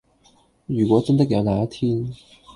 如果真的有那一天